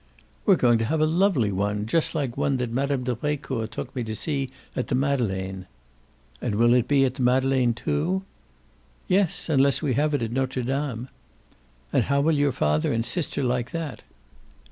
"We're going to have a lovely one, just like one that Mme. de Brecourt took me to see at the Madeleine." "And will it be at the Madeleine, too?" "Yes, unless we have it at Notre Dame." "And how will your father and sister like that?"